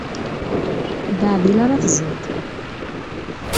D aɛdil ara tẓeḍ.